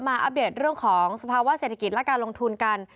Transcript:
อัปเดตเรื่องของสภาวะเศรษฐกิจและการลงทุนกัน